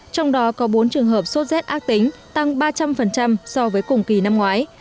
trong đó có bốn trường hợp sốt rét ác tính tăng ba trăm linh so với cùng kỳ năm ngoái